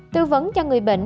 tư vấn cho người bệnh